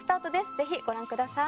ぜひご覧ください。